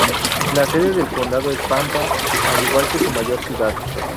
La sede del condado es Pampa, al igual que su mayor ciudad.